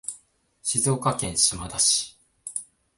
静岡県島田市